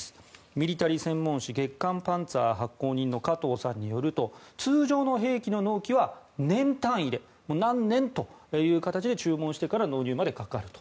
ミリタリー専門誌「月刊ＰＡＮＺＥＲ」発行人の加藤さんによると通常の兵器の納期は年単位で、何年という形で注文してから納入までかかると。